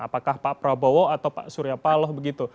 apakah pak prabowo atau pak suryapaloh begitu